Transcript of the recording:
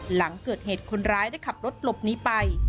หลังเกิดเหตุคนร้ายได้ขับรถหลบหนีไป